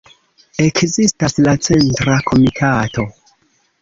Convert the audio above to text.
Ekzistas la Centra Komitato.